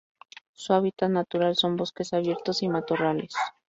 Su hábitat natural son bosques abiertos y matorrales.